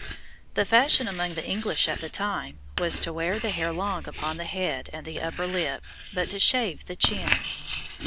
The fashion among the English at the time was to wear the hair long upon the head and the upper lip, but to shave the chin.